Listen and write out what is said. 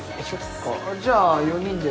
じゃあ４人で。